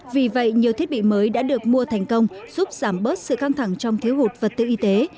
vì vậy nhiều thiết bị mới đã được mua thành công giúp giảm bớt sự căng thẳng trong thiếu hụt vật tư y tế